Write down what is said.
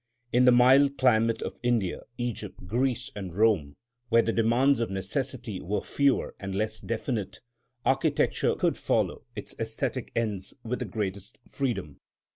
In the mild climate of India, Egypt, Greece, and Rome, where the demands of necessity were fewer and less definite, architecture could follow its æsthetic ends with the greatest freedom.